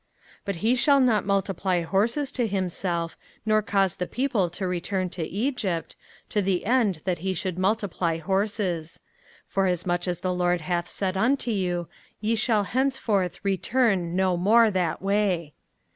05:017:016 But he shall not multiply horses to himself, nor cause the people to return to Egypt, to the end that he should multiply horses: forasmuch as the LORD hath said unto you, Ye shall henceforth return no more that way.